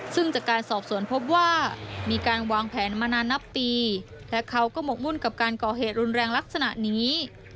ซึ่งจากการสอบสวนพบว่ามีการวางแผนมานานนับปีและเขาก็หมกมุ่นกับการก่อเหตุรุนแรงลักษณะนี้